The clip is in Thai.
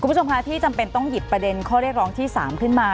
คุณผู้ชมคะที่จำเป็นต้องหยิบประเด็นข้อเรียกร้องที่๓ขึ้นมา